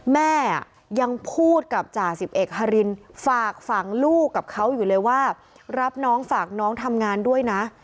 แม่ยังพูดกับจ่าสิบเอกฮารินฝากฝังลูกกับเขาอยู่เลยว่ารับน้องฝากน้องทำงานด้วยนะ